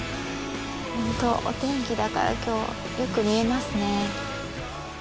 ホントお天気だから今日よく見えますね。